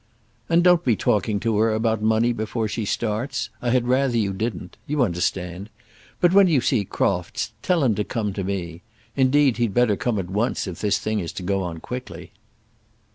"And don't be talking to her about money before she starts. I had rather you didn't; you understand. But when you see Crofts, tell him to come to me. Indeed, he'd better come at once, if this thing is to go on quickly."